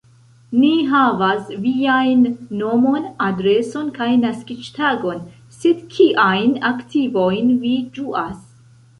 Ni havas viajn nomon, adreson kaj naskiĝtagon, sed kiajn aktivojn vi ĝuas?